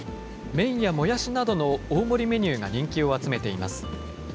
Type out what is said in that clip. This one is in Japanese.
麺やもやしなどの大盛りメニューが人気を集めています。